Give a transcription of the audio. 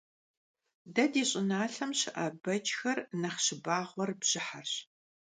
Дэ ди щIыналъэм щыIэ бэджхэр нэхъ щыбагъуэр бжьыхьэрщ.